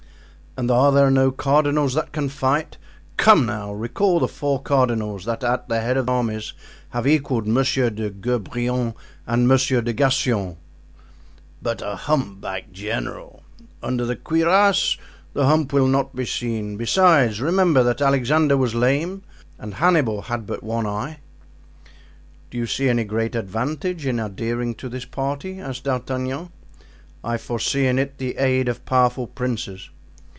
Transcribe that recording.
"And are there no cardinals that can fight? Come now, recall the four cardinals that at the head of armies have equalled Monsieur de Guebriant and Monsieur de Gassion." "But a humpbacked general! "Under the cuirass the hump will not be seen. Besides, remember that Alexander was lame and Hannibal had but one eye." "Do you see any great advantage in adhering to this party?" asked D'Artagnan. "I foresee in it the aid of powerful princes."